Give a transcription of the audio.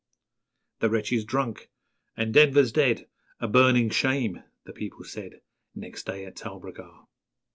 _'The wretch is drunk, And Denver's dead A burning shame!' the people said Next day at Talbragar.